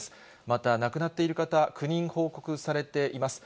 また、亡くなっている方、９人報告されています。